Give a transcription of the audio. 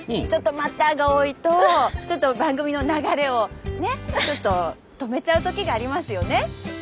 「ちょっと待った」が多いとちょっと番組の流れをちょっと止めちゃうときがありますよね。